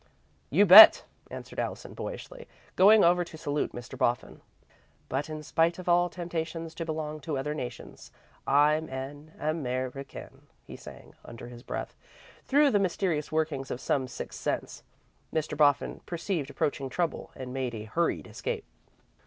"You bet," answered Allison, boyishly, going over to salute Mr. Boffin. "'But in spite of all temptations to belong to other nations, I'm an Am er i can,'" he sang, under his breath. Through the mysterious workings of some sixth sense, Mr. Boffin perceived approaching trouble and made a hurried escape.